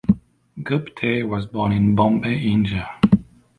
Gupte was born in Bombay, India.